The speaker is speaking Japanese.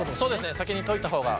先に溶いた方が。